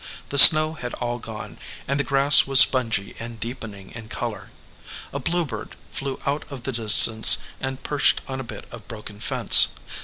The snow had all gone, and the grass was spongy and deepening in color. A bluebird flew out of the distance and perched on a bit of broken fence.